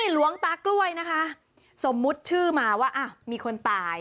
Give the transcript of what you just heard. หลวงตากล้วยนะคะสมมุติชื่อมาว่ามีคนตาย